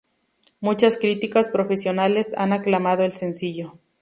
Muchas críticas profesionales han aclamado el sencillo.